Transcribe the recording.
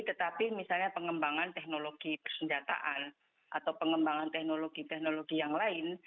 tetapi misalnya pengembangan teknologi persenjataan atau pengembangan teknologi teknologi yang lain